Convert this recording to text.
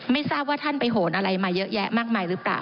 ไม่ทราบว่าท่านไปโหนอะไรมาเยอะแยะมากมายหรือเปล่า